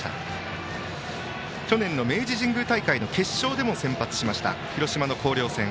南は去年の明治神宮大会の決勝でも先発しました広島の広陵戦。